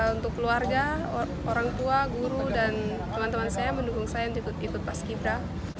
untuk keluarga orang tua guru dan teman teman saya mendukung saya untuk ikut paski bra